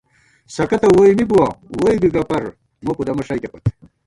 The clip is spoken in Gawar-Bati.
سَکہ تہ ووئی می بُوَہ ووئی بی گہ پَر ، مُو پُدَمہ ݭَئیکے پت